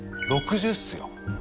６０っすよ。